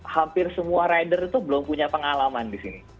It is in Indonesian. hampir semua rider itu belum punya pengalaman di sini